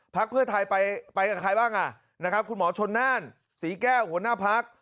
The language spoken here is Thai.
เพื่อไทยไปกับใครบ้างอ่ะนะครับคุณหมอชนน่านศรีแก้วหัวหน้าพัก